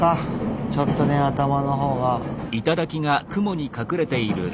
ちょっとね頭のほうが。